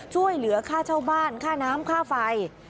ช่วยเหลือค่าเช่าบ้านค่าน้ำค่าไฟ